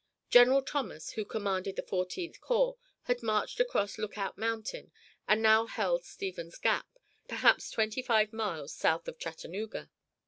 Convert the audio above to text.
General Thomas, who commanded the Fourteenth Corps, had marched across Lookout Mountain and now held Stevens's Gap, perhaps twenty five miles south of Chattanooga.